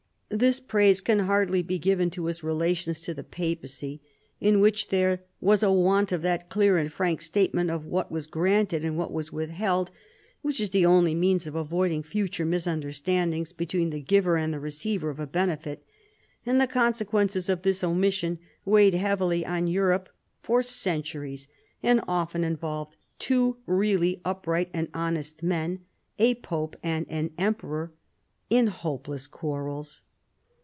This praise can hardly be given to his relations to the papacy, in which there was a want of that clear and frank statement of what was granted and what was withheld, which is the only means of avoiding future misunderstandings be tween the giver and the receiver of a benefit. And the consequences of this omission weighed heavily on Europe for centuries, and often involved two real ly upright and honest men, a Pope and an Emperor, in hopeless quarrels.